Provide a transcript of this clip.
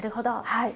はい。